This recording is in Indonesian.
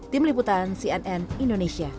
tim liputan cnn indonesia